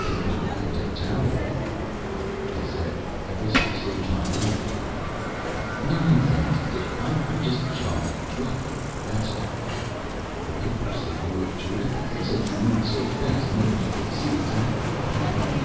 "Take me back to Tarawa." I said, "I guess you saved my life, Larry." "Nonsense, Dick! I just jumped. Lucky, that's all." "The papers said you were terrific. They said you moved so fast, nobody could see exactly what happened."